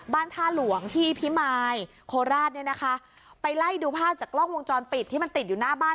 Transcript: ท่าหลวงที่พิมายโคราชเนี่ยนะคะไปไล่ดูภาพจากกล้องวงจรปิดที่มันติดอยู่หน้าบ้าน